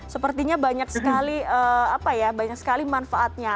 sepertinya banyak sekali apa ya banyak sekali manfaatnya